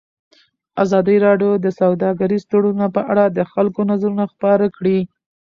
ازادي راډیو د سوداګریز تړونونه په اړه د خلکو نظرونه خپاره کړي.